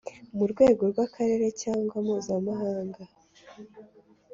mu rwego rw akarere cyangwa mpuzamahanga